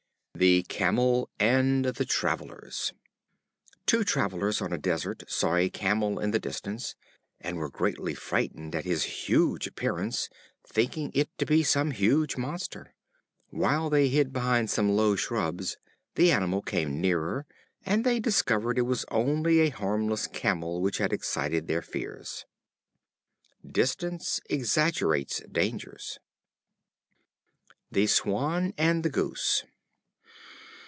The Camel and the Travelers. Two Travelers on a desert saw a Camel in the distance, and were greatly frightened at his huge appearance, thinking it to be some huge monster. While they hid behind some low shrubs, the animal came nearer, and they discovered that it was only a harmless Camel which had excited their fears. Distance exaggerates dangers. The Swan and the Goose.